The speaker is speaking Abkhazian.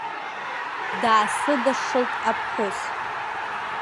Даасыдашшылт аԥҳәыс.